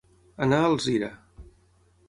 Anar a Alzira.